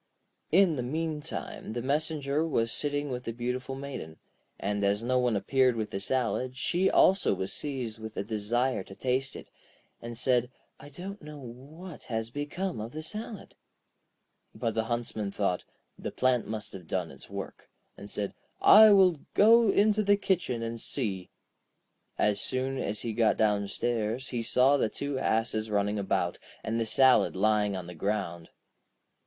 In the meantime the messenger was sitting with the beautiful Maiden, and as no one appeared with the salad, she also was seized with a desire to taste it, and said: 'I don't know what has become of the salad.' But the Huntsman thought: 'The plant must have done its work,' and said: 'I will go into the kitchen and see.' As soon as he got downstairs he saw the two asses running about, and the salad lying on the ground.